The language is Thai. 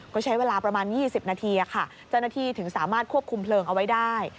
ก็ใช้เวลาประมาณ๒๐นาทีค่ะเจ้าหน้าที่ถึงสามารถควบคุมเพลิงเอาไว้ได้